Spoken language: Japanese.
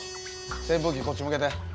扇風機こっち向けて。